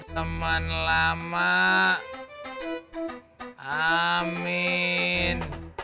teman lama amin